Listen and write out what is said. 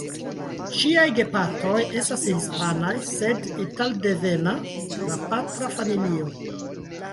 Ŝiaj gepatroj estas hispanaj sed italdevena la patra familio.